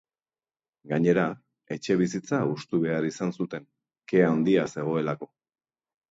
Gainera, etxebizitza hustu behar izan zuten, ke handia zegoelako.